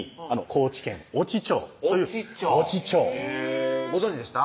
高知県・越知町という越知町へぇご存じでした？